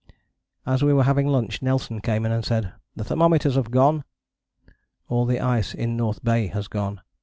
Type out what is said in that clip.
As we were having lunch Nelson came in and said, 'The thermometers have gone!' All the ice in North Bay has gone.